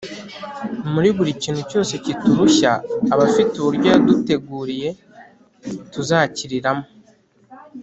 muri buri kintu cyose kiturushya, aba afite uburyo yaduteguriye tuzakiriramo